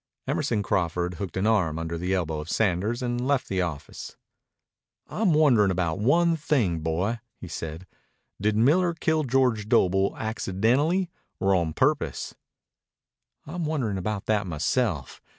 Emerson Crawford hooked an arm under the elbow of Sanders and left the office. "I'm wonderin' about one thing, boy," he said. "Did Miller kill George Doble accidentally or on purpose?" "I'm wondering about that myself.